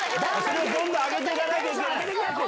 どんどん上げてかなきゃいけない。